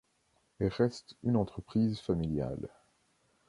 Elle reste une entreprise familiale.